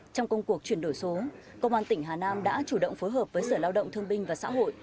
trong công cuộc chuyển đổi số công an tỉnh hà nam đã chủ động phối hợp với sở lao động thương binh và xã hội